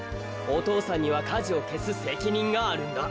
お父さんにはかじをけすせきにんがあるんだ。